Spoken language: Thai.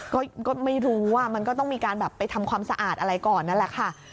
ก็ไม่รู้ว่ามันก็ต้องมีการแบบไปทำความสะอาดอะไรก่อนนั่นแหละค่ะ